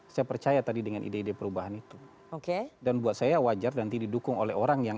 saya percaya tadi dengan ide ide perubahan itu oke dan buat saya wajar nanti didukung oleh orang yang